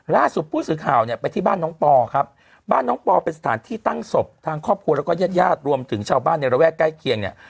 ล่าสุดผู้สื่อข่าวเนี่ยไปที่บ้านน้องปอครับบ้านน้องปอเป็นสถานที่ตั้งศพทางครอบครัวแล้วก็ญาติญาติรวมถึงชาวบ้านในระแวกใกล้เคียงเนี่ย